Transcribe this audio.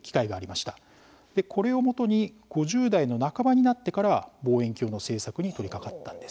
これをもとに５０代の半ばになってから望遠鏡の製作に取りかかったんです。